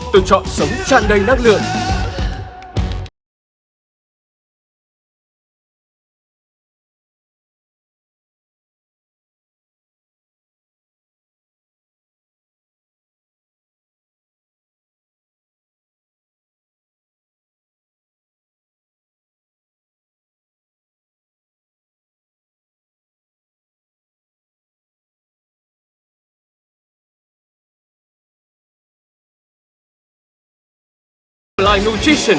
tự chọn sống chẳng đầy năng lượng